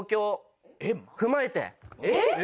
えっ！？